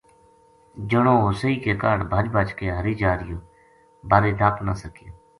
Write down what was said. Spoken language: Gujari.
جنو ہوسئی کے کاہڈ بھَج بھَج کے ہری جا رہیو بارے نپ نا سکیو